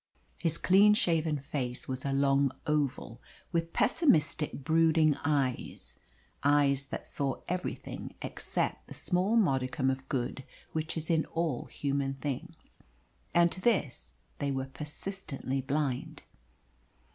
His clean shaven face was a long oval, with pessimistic, brooding eyes eyes that saw everything except the small modicum of good which is in all human things, and to this they were persistently blind.